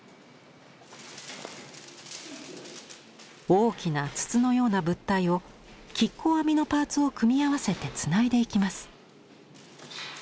大きな筒のような物体を亀甲編みのパーツを組み合わせてつないでいきます。